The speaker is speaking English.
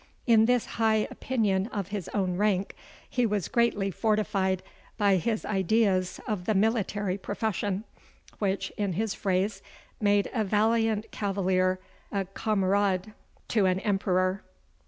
In this high opinion of his own rank, he was greatly fortified by his ideas of the military profession, which, in his phrase, made a valiant cavalier a camarade to an emperor.